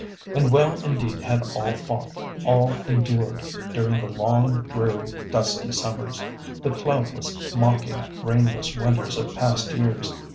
And well indeed had all fought, all endured, during the long, dreary, dusty summers—the cloudless, mocking, rainless winters of past years.